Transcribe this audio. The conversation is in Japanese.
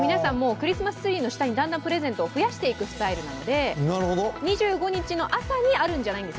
クリスマスツリーの下にだんだんプレゼントを増やしていくスタイルなので２５日の朝にあるんじゃないんです。